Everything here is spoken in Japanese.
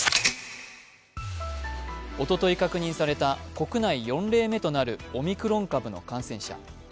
おととい確認された、国内４例目となるオミクロン株の感染者。